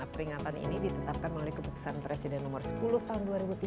peringatan ini ditetapkan melalui keputusan presiden nomor sepuluh tahun dua ribu tiga belas